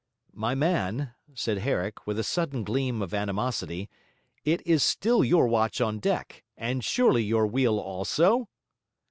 'My man,' said Herrick, with a sudden gleam of animosity, 'it is still your watch on deck, and surely your wheel also?'